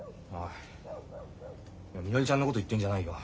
みのりちゃんのこと言ってんじゃないよ。